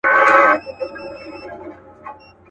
دواړي سترګي یې د سرو وینو پیالې وې.